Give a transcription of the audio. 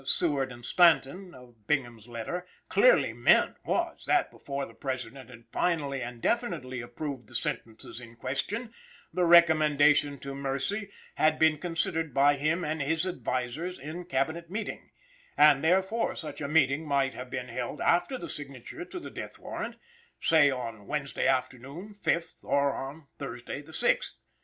Seward and Stanton" (of Bingham's letter) "clearly meant was, that before the President had finally and definitely approved the sentences in question," the recommendation to mercy "had been considered by him and his advisers in Cabinet meeting;" and therefore such a meeting might have been held after the signature to the death warrant, say on Wednesday afternoon (5th), or on Thursday, the 6th.